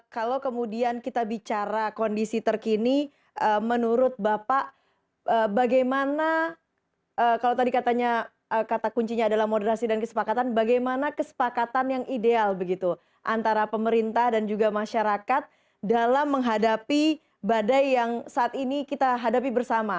kalau kemudian kita bicara kondisi terkini menurut bapak bagaimana kalau tadi katanya kata kuncinya adalah moderasi dan kesepakatan bagaimana kesepakatan yang ideal antara pemerintah dan juga masyarakat dalam menghadapi badai yang saat ini kita hadapi bersama